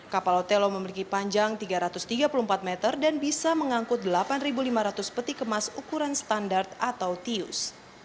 kapal otelo memiliki panjang tiga ratus tiga puluh empat meter dan bisa mengangkut delapan lima ratus peti kemas ukuran standar atau tius